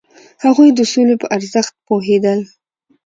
هغوی د سولې په ارزښت پوهیدل.